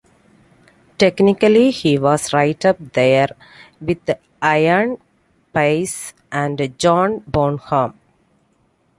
Technically, he was right up there with Ian Paice and John Bonham.